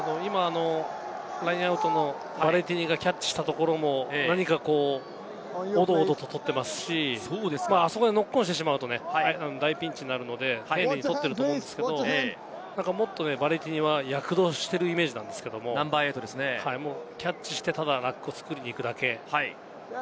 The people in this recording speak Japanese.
ラインアウトのヴァレティニがキャッチしたところも何かおどおどと取っていますし、あそこでノックオンをしてしまうと大ピンチになるので、もっとヴァレティニは躍動しているイメージなんですけれども、キャッチして、ただラックを作りに行くだけ。